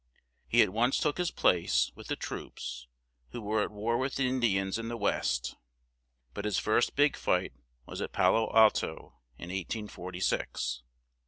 He at once took his place with the troops, who were at war with the In di ans in the West; but his first big fight was at Pa lo Al to in 1846.